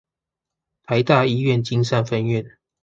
臺大醫院金山分院